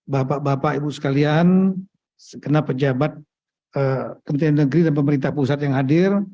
bapak bapak ibu sekalian segenap pejabat kementerian negeri dan pemerintah pusat yang hadir